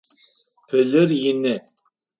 Пылыр ины.